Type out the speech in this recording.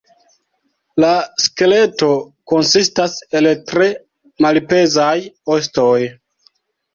La skeleto konsistas el tre malpezaj ostoj.